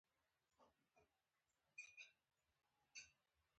پسه شپانه پسې ګرځي.